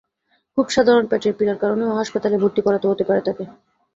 খুব সাধারণ পেটের পীড়ার কারণেও হাসপাতালে ভর্তি করাতে হতে পারে তাকে।